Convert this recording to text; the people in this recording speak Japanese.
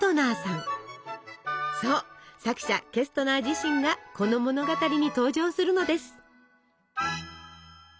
そう作者ケストナー自身がこの物語に登場するのです。